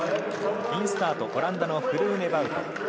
インスタート、オランダのフルーネバウト。